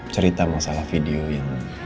cerita masalah video yang